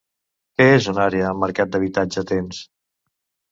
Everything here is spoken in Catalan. Què és una àrea amb mercat d'habitatge tens?